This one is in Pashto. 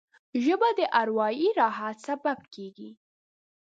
ژبه د اروايي راحت سبب کېږي